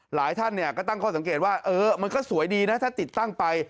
หลายท่านก็ตั้งข้อสังเกตว่ามันก็สวยดีนะถ้าติดตั้งไป